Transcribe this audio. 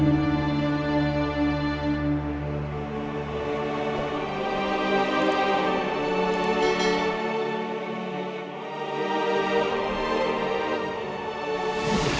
pergilah ke darat besar